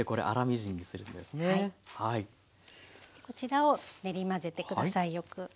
こちらを練り混ぜて下さいよく。